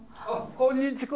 こんにちは。